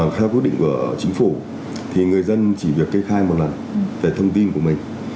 theo quyết định của chính phủ thì người dân chỉ việc kê khai một lần về thông tin của mình